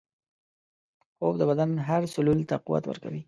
خوب د بدن هر سلول ته قوت ورکوي